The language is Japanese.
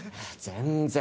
全然。